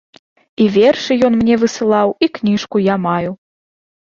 І вершы ён мне высылаў, і кніжку я маю.